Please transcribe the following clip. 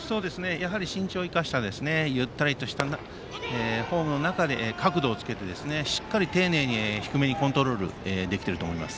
身長を生かしたゆったりとしたフォームの中で角度をつけて、しっかり丁寧に低めにコントロールができていると思います。